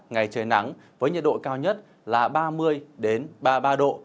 ngày trời nắng với nhiệt độ cao nhất là ba mươi ba mươi ba độ